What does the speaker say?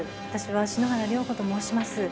私は篠原涼子と申します。